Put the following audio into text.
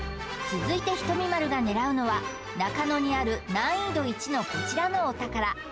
続いてひとみ○が狙うのは中野にある難易度１のこちらのお宝